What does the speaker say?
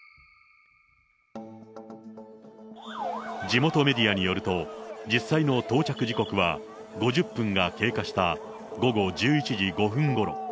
地元メディアによると、実際の到着時刻は５０分が経過した午後１１時５分ごろ。